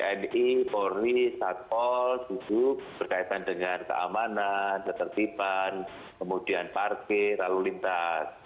tni polri satpol khusus berkaitan dengan keamanan ketertiban kemudian parkir lalu lintas